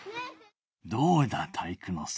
どうだ体育ノ介。